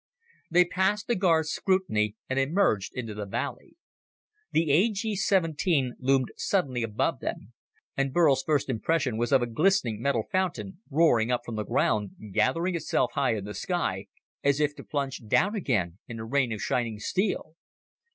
They passed the guards' scrutiny and emerged into the valley. The A G 17 loomed suddenly above them, and Burl's first impression was of a glistening metal fountain roaring up from the ground, gathering itself high in the sky, as if to plunge down again in a rain of shining steel.